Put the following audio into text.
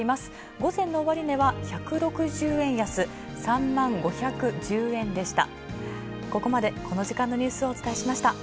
午前の終値は１６０円安、３万５１０円でした。